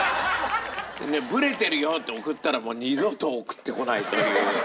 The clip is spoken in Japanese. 「ブレてるよ」って送ったらもう二度と送ってこないという。